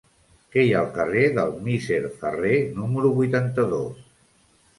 Què hi ha al carrer del Misser Ferrer número vuitanta-dos?